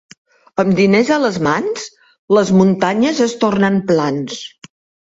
Amb diners a les mans les muntanyes es tornen plans.